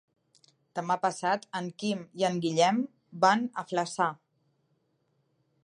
Demà passat en Quim i en Guillem van a Flaçà.